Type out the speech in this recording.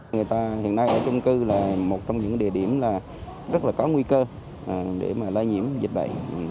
người ta hiện nay ở chung cư là một trong những địa điểm rất là có nguy cơ để mà lai nhiễm dịch bệnh